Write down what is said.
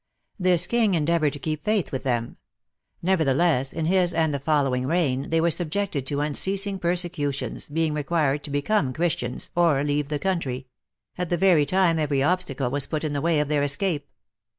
This king endeavored to keep faith with them. Nevertheless, in his and the following reign, they were subjected to unceasing persecutions, being required to become Christians, or leave the country ; at the very time every obstacle was put in the way of their escape.